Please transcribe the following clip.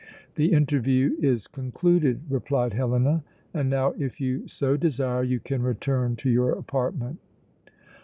"The interview is concluded," replied Helena, "and now, if you so desire, you can return to your apartment."